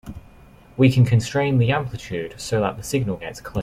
We can constrain the amplitude so that the signal gets clipped.